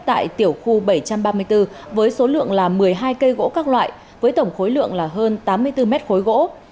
tại tiểu khu bảy trăm ba mươi bốn với số lượng là một mươi hai cây gỗ các loại với tổng khối lượng là hơn tám mươi bốn mét khối gỗ